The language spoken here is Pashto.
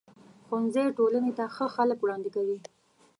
ښوونځی ټولنې ته ښه خلک وړاندې کوي.